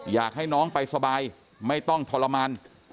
อยากให้น้องไปสบายไม่ต้องทรมาน